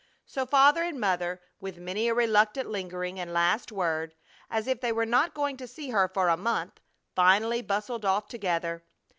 So Father and Mother, with many a reluctant lingering and last word, as if they were not going to see her for a month, finally bustled off together.